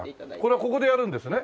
これはここでやるんですね？